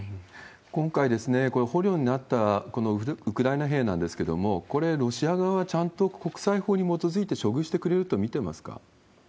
今回、捕虜になったウクライナ兵なんですけれども、これ、ロシア側はちゃんと国際法に基づいて処遇してくれると見てますか？